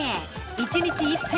１日１分！